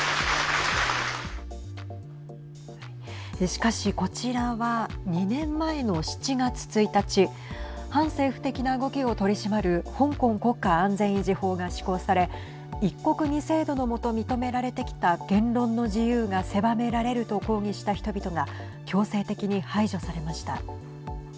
しかし、こちらは２年前の７月１日反政府的な動きを取り締まる香港国家安全維持法が施行され一国二制度の下認められてきた言論の自由が狭められると抗議した人々が強制的に排除されました。